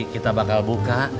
kita bakal buka